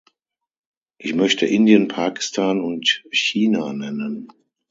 Ich möchte Indien, Pakistan und China nennen.